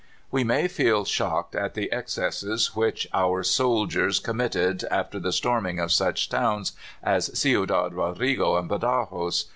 We may feel shocked at the excesses which our soldiers committed after the storming of such towns as Ciudad Rodrigo and Badajos.